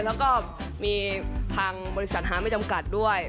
แล้วก็มีทางบริษัทหาไม่จำกัดด้วย